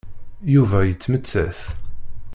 Yuba yettmettat.